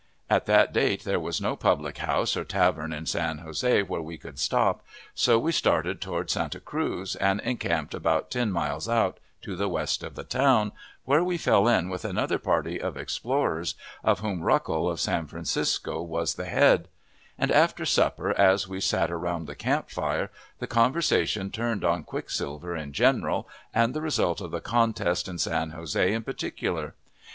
At that date there was no public house or tavern in San Jose where we could stop, so we started toward Santa Cruz and encamped about ten miles out, to the west of the town, where we fell in with another party of explorers, of whom Ruckel, of San Francisco, was the head; and after supper, as we sat around the camp fire, the conversation turned on quicksilver in general, and the result of the contest in San Jose in particular.